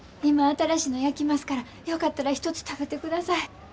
今新しいの焼きますからよかったら一つ食べてください。